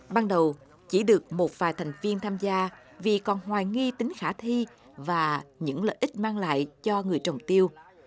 ban đầu chỉ được một vài thành viên tham gia vì còn hoài nghi tính khả thi và những lợi ích mang lại cho người trồng tiêu